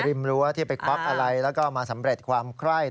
รั้วที่ไปควักอะไรแล้วก็มาสำเร็จความไคร้